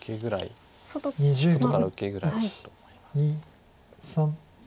外から受けぐらいだと思います。